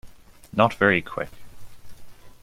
Not very Quick.